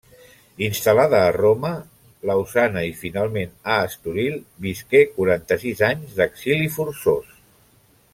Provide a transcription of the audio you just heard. Instal·lada a Roma, Lausana i finalment a Estoril visqué quaranta-sis anys d'exili forçós.